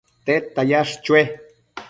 tedta yash chue?